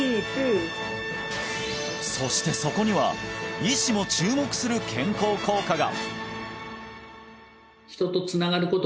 そしてそこには医師も注目する健康効果が！